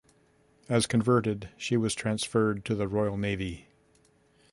As converted, she was transferred to the Royal Navy.